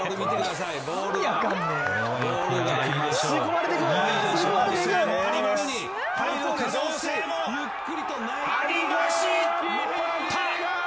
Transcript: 吸い込まれていく！